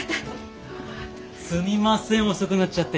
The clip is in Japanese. すみません遅くなっちゃって。